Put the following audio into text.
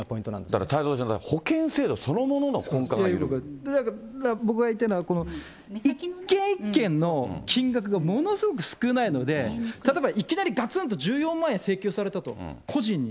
だから太蔵ちゃん、僕が言いたいのは、一件一件の金額がものすごく少ないので、例えばいきなりがつんと１４万円請求されたと、個人に。